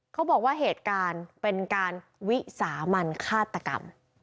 เขาบอกว่าเหตุการณ์เป็นการวิสามันฆาตกรรม